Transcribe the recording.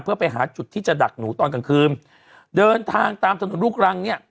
เพื่อไปหาจุดที่จะดักหนูตอนกลางคืนเดินทางตามถนนลูกรังเนี่ย